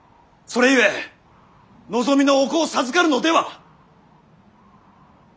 それゆえ望みのお子を授かるのでは！